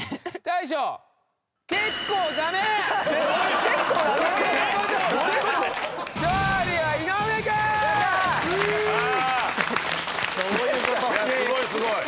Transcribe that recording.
いやすごいすごい。